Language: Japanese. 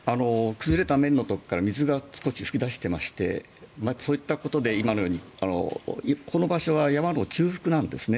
崩れた面のところから水が少し噴き出していましてそういったことで今のようにこの場所は山の中腹なんですね。